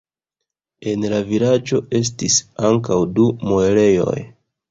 En la vilaĝo estis ankaŭ du muelejoj.